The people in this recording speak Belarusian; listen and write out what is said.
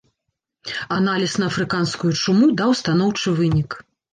Аналіз на афрыканскую чуму даў станоўчы вынік.